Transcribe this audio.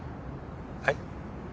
はい？